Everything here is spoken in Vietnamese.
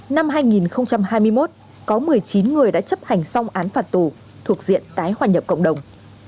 năm hai nghìn hai mươi một có một mươi chín người đã chấp hành xong án phạt tù thuộc diện tái hòa nhập cộng đồng